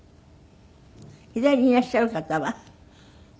左にいらっしゃる方はお姉様？